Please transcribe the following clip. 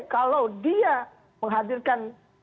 kalau dia menghadirkan